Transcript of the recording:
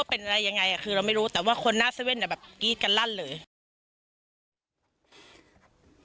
แต่ว่าคนหน้าเซเว่นแบบกรีดกันรั่นเลย